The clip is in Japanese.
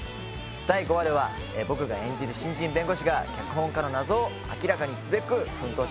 第５話では僕が演じる新人弁護士が脚本家の謎を明らかにすべく奮闘します。